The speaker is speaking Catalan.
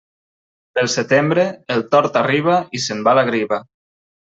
Pel setembre, el tord arriba i se'n va la griva.